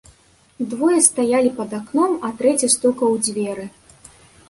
Двое стаялі пад акном, а трэці стукаў у дзверы.